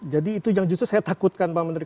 jadi itu yang justru saya takutkan pak menteri